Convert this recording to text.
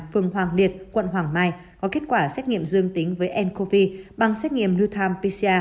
phường hoàng liệt quận hoàng mai có kết quả xét nghiệm dương tính với ncov bằng xét nghiệm real time pcr